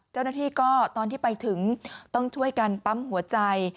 เจ้าหน้าที่ก็ตอนที่ไปถึงต้องช่วยกันปั๊มหัวใจ